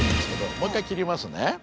もう一回切りますね。